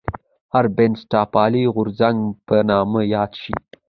هر بنسټپالی غورځنګ په نامه یاد شي.